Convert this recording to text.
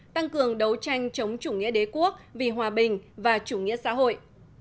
tăng cường đấu tranh chống chủ nghĩa đế quốc vì hòa bình và chủ nghĩa xã hội